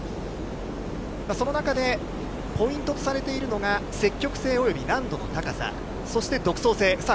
その中でポイントとされているのが、積極性および難度の高さ、そして独創性、さあ